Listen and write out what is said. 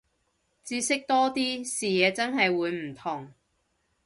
知識多啲，視野真係會唔同